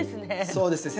そうですね。